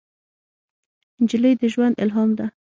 نجلۍ د ژوند الهام ده.